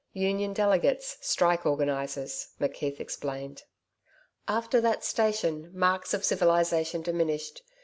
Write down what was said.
Union delegates, Strike Organisers, McKeith explained. After that station, marks of civilisation diminished.